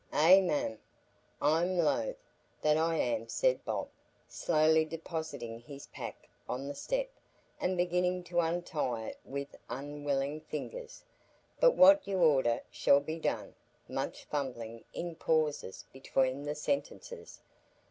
"Eh mum, I'm loth, that I am," said Bob, slowly depositing his pack on the step, and beginning to untie it with unwilling fingers. "But what you order shall be done" (much fumbling in pauses between the sentences).